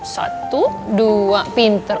satu dua pinter